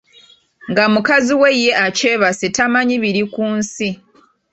Nga mukazi we ye akyebase tamanyi bili ku nsi.